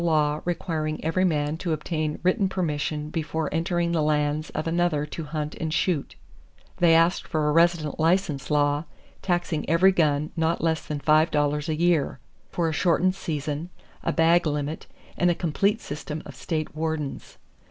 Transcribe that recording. They asked for a law requiring every man to obtain written permission before entering the lands of another to hunt and shoot; they asked for a resident license law taxing every gun not less than five dollars a year; for a shortened season, a bag limit, and a complete system of State wardens.